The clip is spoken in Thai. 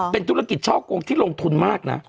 เป็นธุรกิจช่อกงที่ลงทุนมากนะ